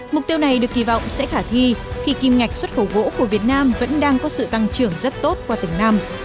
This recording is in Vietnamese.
mục tiêu này được kỳ vọng sẽ khả thi khi kim ngạch xuất khẩu gỗ của việt nam vẫn đang có sự tăng trưởng rất tốt qua từng năm